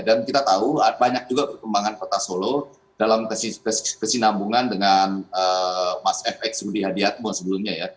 dan kita tahu banyak juga perkembangan kota solo dalam kesinambungan dengan mas fx rudy hadiatmo sebelumnya ya